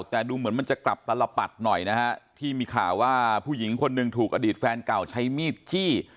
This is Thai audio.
แต่ดูเหมือนมันจะกลับตลปัดหน่อยนะฮะที่มีข่าวว่าผู้หญิงคนหนึ่งถูกอดีตแฟนเก่าใช้มีดจี้